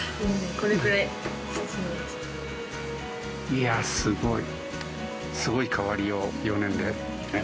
いやすごい。